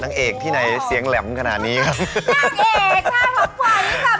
นางเอกที่ไหนเสียงแหลมขนาดนี้ครับ